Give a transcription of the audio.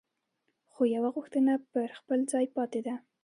خو یوه غوښتنه پر خپل ځای پاتې ده.